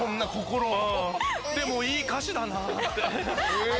でもいい歌詞だなぁって。